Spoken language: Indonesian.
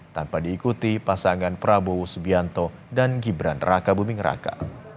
tanpa diikuti pasangan prabowo subianto dan gibran raka buming raka